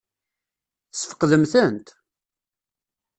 Tesfeqdem-tent?